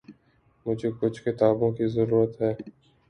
مجھے کچھ کتابوں کی ضرورت ہے۔